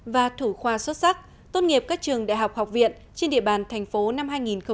và thủ khoa xuất sắc tốt nghiệp các trường đại học học viện trên địa bàn thành phố năm hai nghìn hai mươi